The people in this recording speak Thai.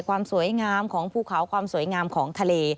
ความสวยงามของภูเขาความสวยงามของทะเล